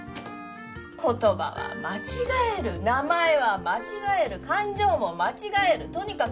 言葉は間違える名前は間違える勘定も間違えるとにかく